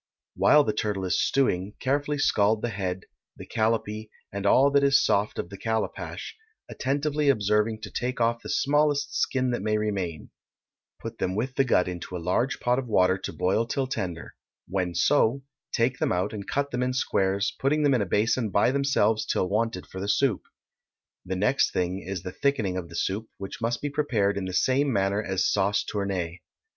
While the turtle is stewing, carefully scald the head, the callipee, and all that is soft of the callipash, attentively observing to take off the smallest skin that may remain; put them with the gut into a large pot of water to boil till tender; when so, take them out and cut them in squares, putting them in a basin by themselves till wanted for the soup. The next thing is the thickening of the soup, which must be prepared in the same manner as sauce tournée.